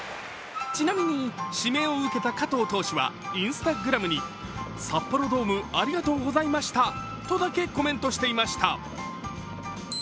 ちなみに、指名を受けた加藤投手はＩｎｓｔａｇｒａｍに札幌ドームありがとうございましたとだけコメントしています。